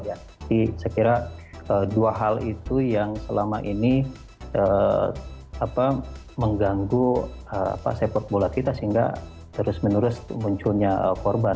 jadi saya kira dua hal itu yang selama ini mengganggu sepot bola kita sehingga terus menerus munculnya korban